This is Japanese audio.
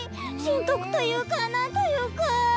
人徳というか何というかあ！